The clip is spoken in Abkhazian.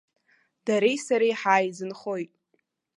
Дареи сареи ҳааизынхоит!